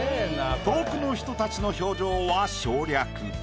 遠くの人たちの表情は省略。